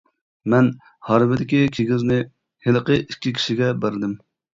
مەن ھارۋىدىكى كىگىزنى ھېلىقى ئىككى كىشىگە بەردىم.